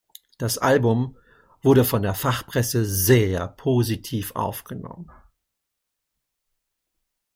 Das Album wurde von der Fachpresse sehr positiv aufgenommen.